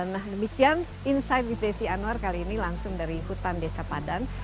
nah demikian insight with desi anwar kali ini langsung dari hutan desa padan